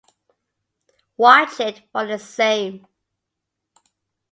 Watch it for the same.